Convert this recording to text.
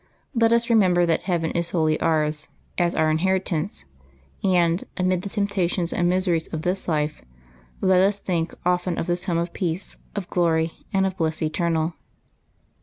Let us remember that heaven is wholly ours, as our inheritance; and, amid the temptations and miseries of this life, let us think often of this home of peace, of glory, and of bliss eternal.